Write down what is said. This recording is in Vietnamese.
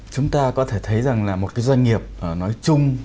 chúng ta có thể thấy rằng là một cái doanh nghiệp nói chung